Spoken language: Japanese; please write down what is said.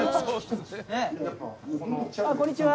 こんにちは。